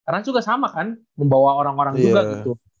karena juga sama kan membawa orang orang juga gitu